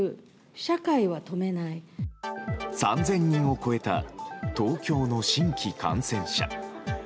３０００人を超えた東京の新規感染者。